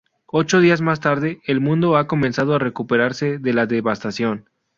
Ocho días más tarde, el mundo ha comenzado a recuperarse de la devastación.